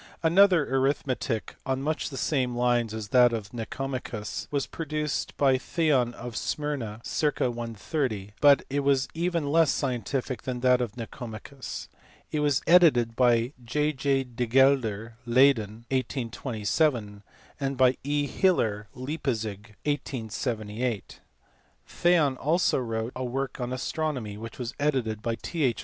Another arithmetic on much the same lines as that of Nicomachus was produced by Theon of Smyrna , circ. 130; but it was even less scientific than that of Nicomachus. It was edited by J. J. de Gelder, Leyden, 1827; and by E. Hiller, Leipzig, 1878. Theon also wrote a work on astronomy which was edited by T. H.